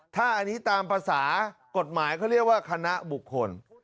ถ้าอันนี้ตามภาษากฎหมายเขาเรียกว่าคณะบุคคล